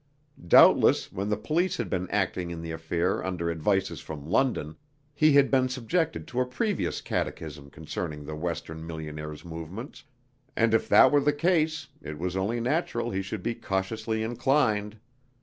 Doubtless, when the police had been acting in the affair under advices from London, he had been subjected to a previous catechism concerning the western millionaire's movements, and if that were the case it was only natural he should be cautiously inclined.